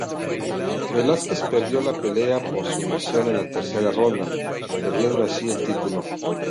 Velásquez perdió la pelea por sumisión en la tercera ronda, perdiendo así el título.